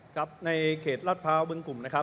ครับในเขตรัดพร้าวบึงกลุ่มนะครับ